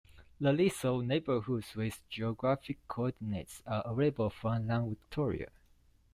The list of neighbourhoods, with geographic coordinates, are available from Land Victoria.